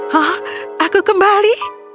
hah aku kembali